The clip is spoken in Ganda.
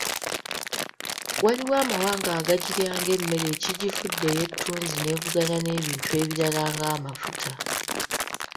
Waliwo amawanga agagirya ng’emmere ekigifudde eyettunzi n’evuganya n’ebintu ebirala ng’amafuta.